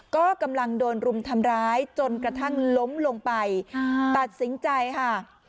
ก็กำลังโดนรุมทำร้ายจนกระทั่งล้มลงไปตัดสินใจค่ะ